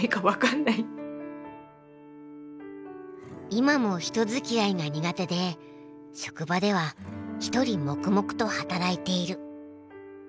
今も人づきあいが苦手で職場では一人黙々と働いている。